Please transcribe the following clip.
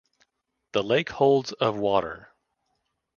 The lake holds of water.